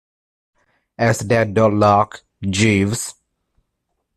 Is that door locked, Jeeves?